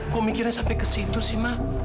kok mikirnya sampai ke situ sih mah